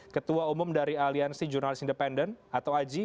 ketua umum dari aliansi jurnalis independen atau aji